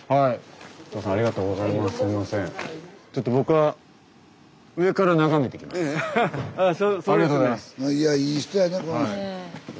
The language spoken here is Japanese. はい。